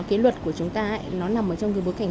cái luật của chúng ta nó nằm trong cái bối cảnh